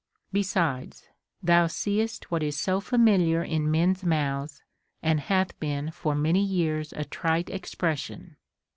Besides, thou seest what is so familiar in men's mouths, and hath been for many years a trite expression.